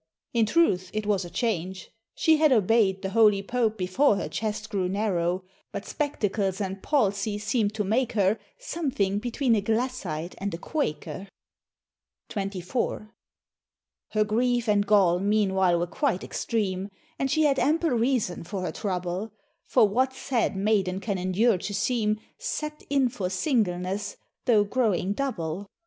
In truth it was a change! she had obey'd The holy Pope before her chest grew narrow, But spectacles and palsy seem'd to make her Something between a Glassite and a Quaker. XXIV. Her grief and gall meanwhile were quite extreme, And she had ample reason for her trouble; For what sad maiden can endure to seem Set in for singleness, tho' growing double.